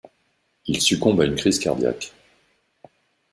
Il succombe à une crise cardiaque.